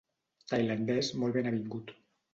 Tailandès molt ben avingut.